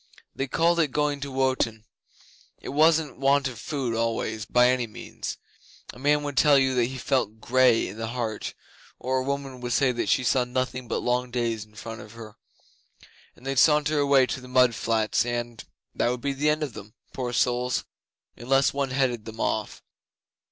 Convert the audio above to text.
They called it going to Wotan. It wasn't want of food always by any means. A man would tell you that he felt grey in the heart, or a woman would say that she saw nothing but long days in front of her; and they'd saunter away to the mud flats and that would be the end of them, poor souls, unless one headed them off.